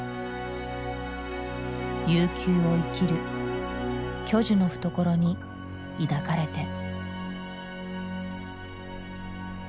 悠久を生きる巨樹の懐に抱かれて。